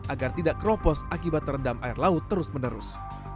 agar tidak keropos akibat terendam air laut terus menerus